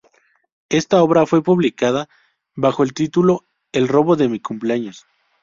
Esta obra fue publicada bajo el título "El robo de mi cumpleaños".